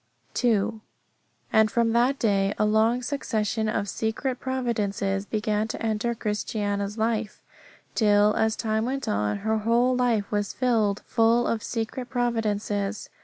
2. And from that day a long succession of secret providences began to enter Christiana's life, till, as time went on, her whole life was filled full of secret providences.